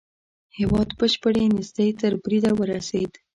هېواد بشپړې نېستۍ تر بريده ورسېد.